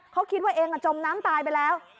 เขาคิดว่าเองจมน้ำตายไปแล้ว